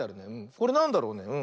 これなんだろうね？